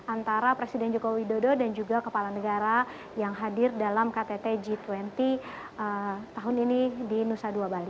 antara presiden joko widodo dan juga kepala negara yang hadir dalam ktt g dua puluh tahun ini di nusa dua bali